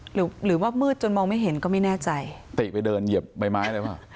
หรือว่ามืดจนมองไม่เห็นก็ไม่แน่ใจติไปเดินเหยียบใบไม้อะไรป่ะ